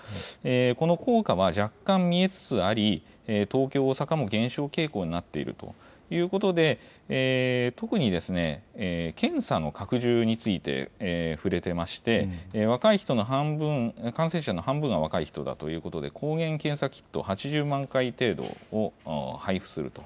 この効果は若干見えつつあり、東京、大阪も減少傾向になっているということで、特に、検査の拡充について、触れてまして、若い人の半分、感染者の半分が若い人だということで、抗原検査キットを８０万回程度を配布すると。